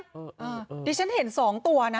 เดี๋ยวฉันเห็นสองตัวนะ